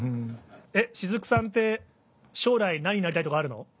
しずくさんって将来何になりたいとかあるの？